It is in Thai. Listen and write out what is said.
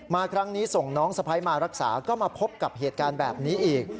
ครั้งนี้ส่งน้องสะพ้ายมารักษาก็มาพบกับเหตุการณ์แบบนี้อีก